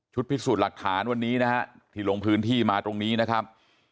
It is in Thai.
พิสูจน์หลักฐานวันนี้นะฮะที่ลงพื้นที่มาตรงนี้นะครับ